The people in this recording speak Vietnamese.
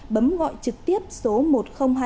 bấm gọi trực tiếp số một nghìn hai mươi hai